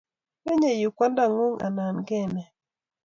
Menyei yu kwandangung anan kenet?